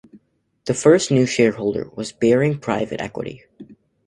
The first new shareholder was Baring Private Equity.